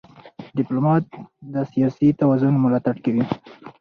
ډيپلومات د سیاسي توازن ملاتړ کوي.